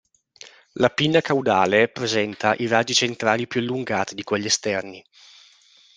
La pinna caudale presenta i raggi centrali più allungati di quelli esterni.